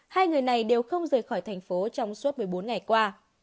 hai người này đều không rời khỏi thành phố trong suốt một mươi bốn ngày qua